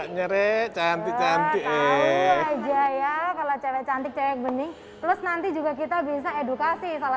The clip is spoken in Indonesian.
nyeret cantik cantik kalau cewek cantik cewek bening terus nanti juga kita bisa edukasi salah